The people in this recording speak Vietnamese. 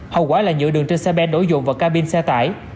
hậu quả là nhựa đường trên xe ben nổi dụng vào cabin xe tải